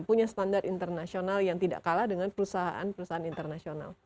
punya standar internasional yang tidak kalah dengan perusahaan perusahaan internasional